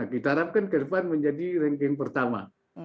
kita harapkan ke depan menjadi ranking pertama